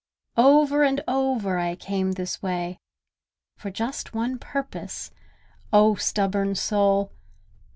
Over and over I came this way For just one purpose: O stubborn soul!